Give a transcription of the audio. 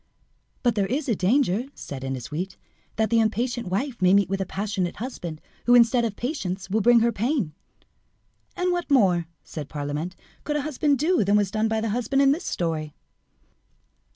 "But there is a danger," said Ennasuite, "that the impatient wife may meet with a passionate husband who, instead of patience, will bring her pain." "And what more," said Parlamente, "could a husband do than was done by the husband in the story?"